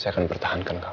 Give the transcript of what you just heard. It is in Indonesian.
saya akan pertahankan kamu